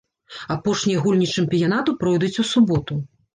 Апошнія гульні чэмпіянату пройдуць у суботу.